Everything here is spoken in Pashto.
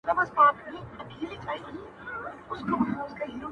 په بې صبری معشوقې چا میندلي دینه.!